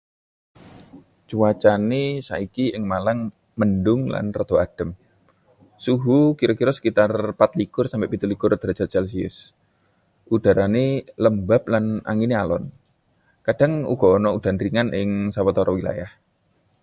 Cuacane saiki ing Malang mendhung lan rada adem. Suhu kira-kira sekitar 24–27 derajat selsius, udarane lembab lan anginé alon. Kadhang uga ana udan ringan ing sawetara wilayah.